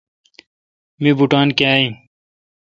می بوٹان کاں این۔